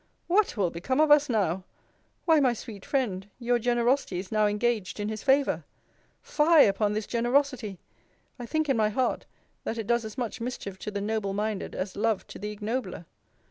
What will become of us now? Why, my sweet friend, your generosity is now engaged in his favour! Fie upon this generosity! I think in my heart, that it does as much mischief to the noble minded, as love to the ignobler.